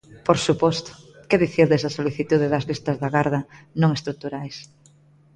Por suposto, ¿que dicir desa solicitude das listas de agarda non estruturais?